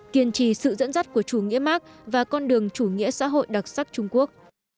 kiên trì sự dẫn dắt của chủ nghĩa mark và con đường chủ nghĩa xã hội đặc sắc trung quốc